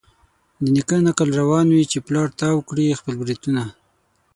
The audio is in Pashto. د نیکه نکل روان وي چي پلار تاو کړي خپل برېتونه